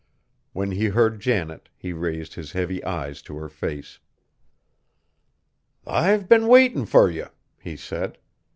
When he heard Janet, he raised his heavy eyes to her face. "I've been waitin' fur you," he said.